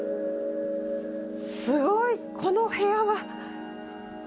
すごいこの部屋は。